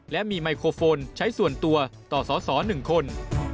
และมีไมโครโฟนใช้ส่วนตัวต่อสอสอ๑คน